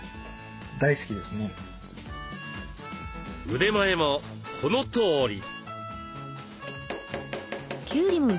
腕前もこのとおり。